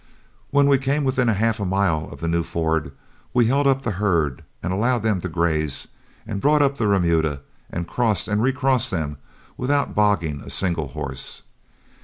When we came within half a mile of the new ford, we held up the herd and allowed them to graze, and brought up the remuda and crossed and recrossed them without bogging a single horse.